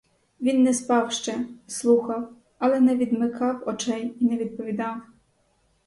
Він не спав ще, слухав, але не відмикав очей і не відповідав.